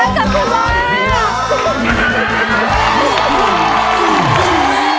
ตังค์ก็ได้